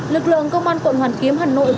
lực lượng công an quận hoàn kiếm hà nội